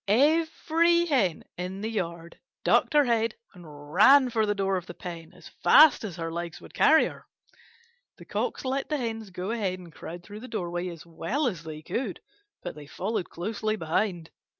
Every Hen in the yard ducked her head and ran for the door of the pen as fast as her legs would carry her. The Cocks let the Hens go ahead and crowd through the doorway as well as they could, but they followed closely behind.